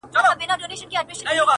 o دوه پکه، هغه هم سره ورکه!